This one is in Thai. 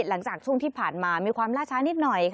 หลังจากช่วงที่ผ่านมามีความล่าช้านิดหน่อย